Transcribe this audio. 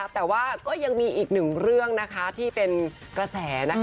แต่ว่าก็ยังมีอีก๑เรื่องนะคะที่เป็นกระแสนะคะ